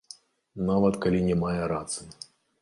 Нават калі не мае рацыю.